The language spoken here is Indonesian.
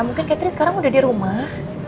mungkin catering sekarang udah di rumah